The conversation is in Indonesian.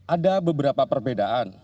ada beberapa perbedaan